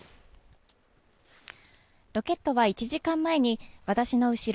ロケットは１時間前に私の後ろ